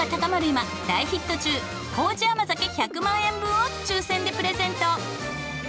今大ヒット中糀甘酒１００万円分を抽選でプレゼント。